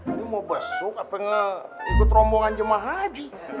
ini mau besuk apa ikut rombongan jemaah haji